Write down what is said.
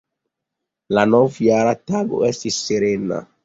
La Novjara Tago estis serena.